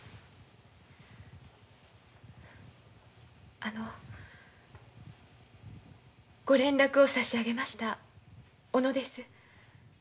あのご連絡を差し上げました小野です。